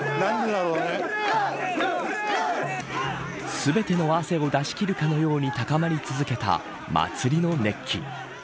全ての汗を出し切るかのように高まり続けた祭りの熱気。